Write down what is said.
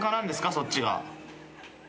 そっちが。